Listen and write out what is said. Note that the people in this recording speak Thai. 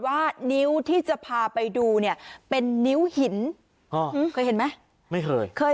ว่านิ้วที่จะพาไปดูเนี่ยเป็นนิ้วหินเคยเห็นไหมไม่เคยเคย